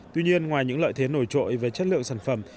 tuy nhiên ngoài những lợi thế nổi trội về chất lượng sản phẩm